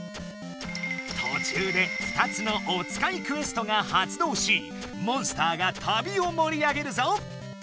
途中で２つのおつかいクエストが発動しモンスターが旅をもり上げるぞ。